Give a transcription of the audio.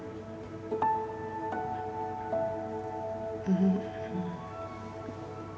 うん。